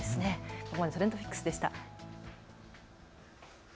ここまでＴｒｅｎｄＰｉｃｋｓでした。